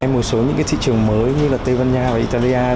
một số những thị trường mới như tây ban nha và italia